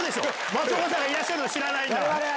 松岡さんいらっしゃるの知らないんだから。